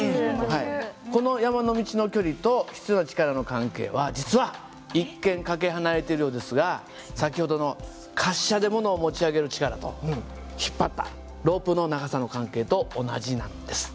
この山の道の距離と必要な力の関係は実は一見かけ離れているようですが先ほどの滑車でものを持ち上げる力と引っ張ったロープの長さの関係と同じなんです。